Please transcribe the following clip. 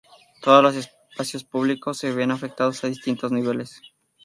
Todas los espacios públicos se ven afectados a distintos niveles.